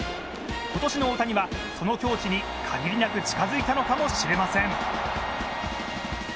今年の大谷はその境地に限りなく近づいたのかもしれません。